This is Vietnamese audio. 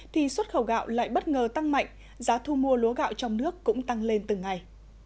thì xuất khẩu gạo lại bất ngờ tăng mạnh giá thu mua lúa gạo trong nước cũng tăng lên từng ngày